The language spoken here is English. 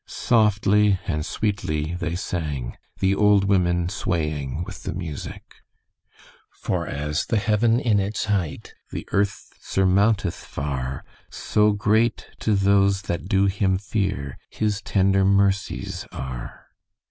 Softly and sweetly they sang, the old women swaying with the music: "For, as the heaven in its height The earth surmounteth far, So great to those that do him fear, His tender mercies are."